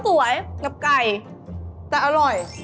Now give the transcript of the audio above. สวยกับไก่แต่อร่อย